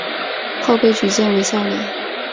后被举荐为孝廉。